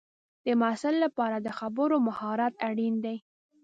د محصل لپاره د خبرو مهارت اړین دی.